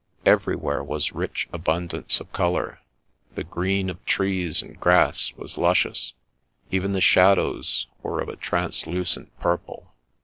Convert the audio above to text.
Everywhere was rich abundance of colour. The green of trees and grass was luscious ; even the shadows were of a trans A Shadow of Night 131 lucent purple.